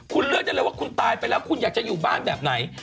คุณเลือกได้เลยว่าคุณตายไปแล้วคุณอยากจะอยู่บ้านแบบไหน